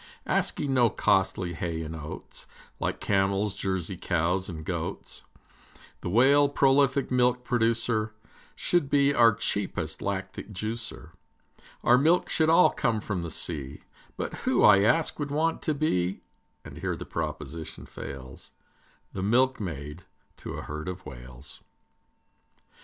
Asking no costly hay and oats, Like camels, Jersey cows, and goats, The Whale, prolific milk producer, Should be our cheapest lactic juicer. Our milk should all come from the sea, But who, I ask, would want to be, And here the proposition fails, The milkmaid to a herd of Whales?